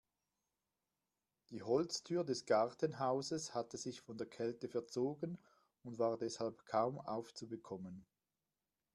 Die Holztür des Gartenhauses hatte sich von der Kälte verzogen und war deshalb kaum aufzubekommen.